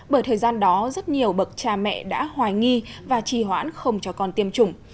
bởi thời gian đó rất nhiều bậc cha mẹ đã hoài nghi và trì hoãn không cho con tiêm chủng